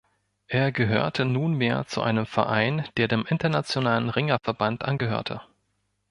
Er gehörte nunmehr zu einem Verein der dem internationalen Ringerverband angehörte.